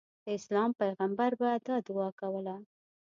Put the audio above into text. د اسلام پیغمبر به دا دعا کوله.